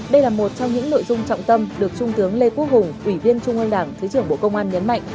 đây là một trong những nội dung trọng tâm được trung tướng lê quốc hùng ủy viên trung ương đảng thứ trưởng bộ công an nhấn mạnh